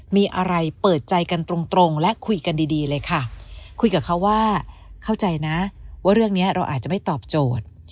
มีอะไรเปิดใจกันตรงตรงและคุยกันดีดีเลยค่ะคุยกับเขาว่าเข้าใจนะว่าเรื่องนี้เราอาจจะไม่ตอบโจทย์